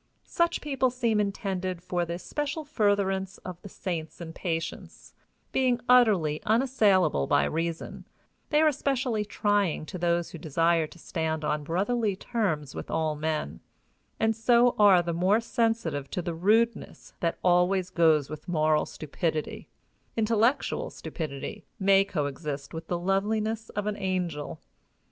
Such people seem intended for the special furtherance of the saints in patience; being utterly unassailable by reason, they are especially trying to those who desire to stand on brotherly terms with all men, and so are the more sensitive to the rudeness that always goes with moral stupidity; intellectual stupidity may coexist with the loveliness of an angel.